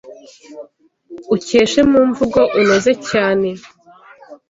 Ukeshe mu mvugo unoze cyane